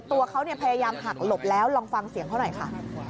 ตัวเขาพยายามหักหลบแล้วลองฟังเสียงเขาหน่อยค่ะ